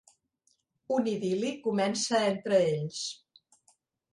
Un idil·li comença entre ells.